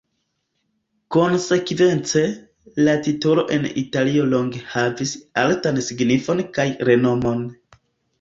Konsekvence, la titolo en Italio longe havis altan signifon kaj renomon.